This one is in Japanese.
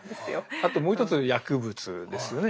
あともう一つ薬物ですよね